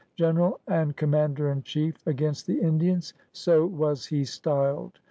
General and Commander in chief against the Indians — so was he styled.